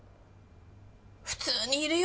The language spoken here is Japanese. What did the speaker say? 普通にいるよ